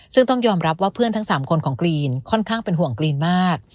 ซึ่งต้องยอมรับว่าเพื่อนทั้ง๓คนของกรีนค่อนข้างเป็นห่วงกรีนมาก